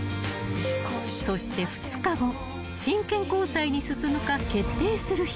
［そして２日後真剣交際に進むか決定する日］